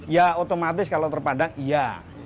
ya otomatis kalau terpandang iya